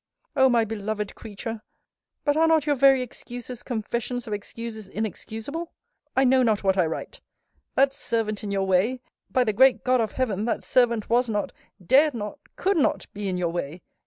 O my beloved creature! But are not your very excuses confessions of excuses inexcusable? I know not what I write! That servant in your way!* By the great God of Heaven, that servant was not, dared not, could not, be in your way!